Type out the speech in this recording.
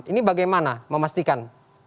ini bagaimana memastikan